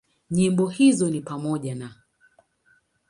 Nyimbo hizo ni pamoja na;